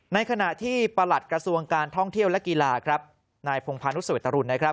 ในขณะที่ประหลัดกระทรวงการท่องเที่ยวและกีฬาครับนายพงพานุสเวตรุณนะครับ